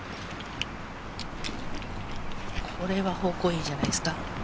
これは方向がいいんじゃないですか。